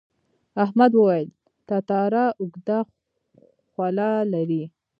احمد وویل تتارا اوږده خوله لري.